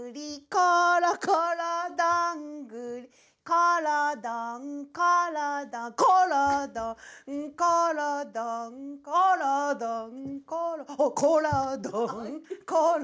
「ころころどんぐり」「ころどんころどん」「ころどんころどん」「ころどんころどん」「ころどんころ」